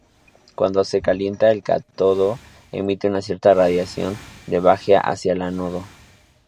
Cuando se calienta el cátodo, emite una cierta radiación que viaja hacia el ánodo.